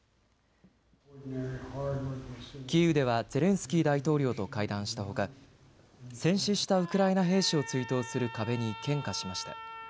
キーウではゼレンスキー大統領と会談したほか、戦死したウクライナ兵士を追悼する壁に献花しました。